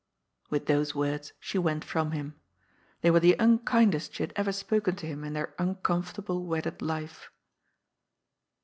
With those words she went from him. They were the unkindest she had ever spoken to him in their ^' uncomfort able " wedded life.